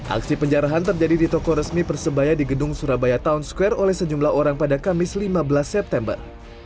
aksi penjarahan terjadi di toko resmi persebaya di gedung surabaya town square oleh sejumlah orang pada kamis lima belas september